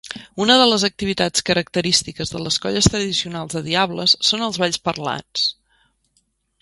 Una de les activitats característiques de les colles tradicionals de diables són els balls parlats.